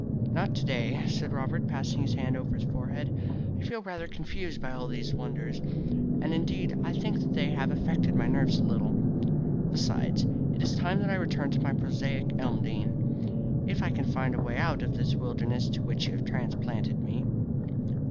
"Not to day," said Robert, passing his hand over his forehead. "I feel rather confused by all these wonders, and indeed I think that they have affected my nerves a little. Besides, it is time that I returned to my prosaic Elmdene, if I can find my way out of this wilderness to which you have transplanted me.